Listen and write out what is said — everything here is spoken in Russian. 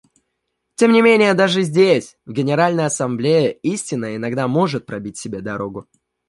Тем не менее даже здесь, в Генеральной Ассамблее, истина иногда может пробить себе дорогу.